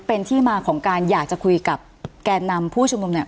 เป็นที่มาของการอยากจะคุยกับแกนนำผู้ชุมนุมเนี่ย